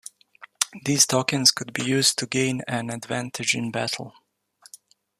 These tokens could be used to gain an advantage in battle.